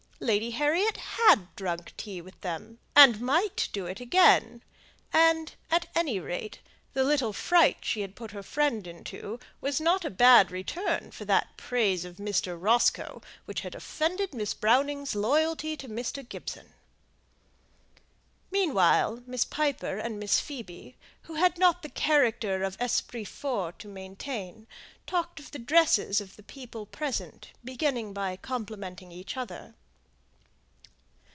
Lady Harriet had drunk tea with them, and might do it again; and, at any rate, the little fright she had put her friend into was not a bad return for that praise of Mr. Roscoe, which had offended Miss Browning's loyalty to Mr. Gibson. Meanwhile Miss Piper and Miss Phoebe, who had not the character of esprit forts to maintain, talked of the dresses of the people present, beginning by complimenting each other.